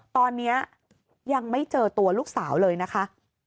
ตอนนี้ยังไม่เจอตัวลูกสาวเลยนะคะ